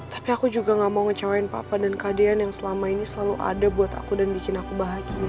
tapi aku juga gak mau ngecewain papa dan keadaan yang selama ini selalu ada buat aku dan bikin aku bahagia